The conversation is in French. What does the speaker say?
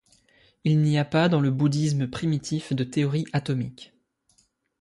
Il n'y a pas dans le bouddhisme primitif de théorie atomique.